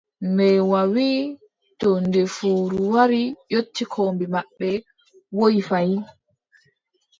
Mbeewa wii: to nde fowru wari yotti kombi maɓɓe, woyi fayin.